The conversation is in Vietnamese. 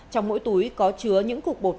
trong mỗi túi có chứa những cục bột mỏng